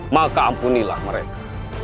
maka ampunilah mereka